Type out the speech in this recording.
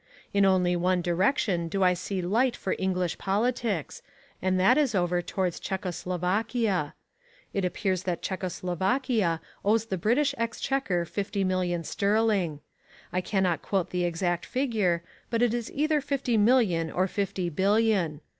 In only one direction do I see light for English politics, and that is over towards Czecho Slovakia. It appears that Czecho Slovakia owes the British Exchequer fifty million sterling. I cannot quote the exact figure, but it is either fifty million or fifty billion.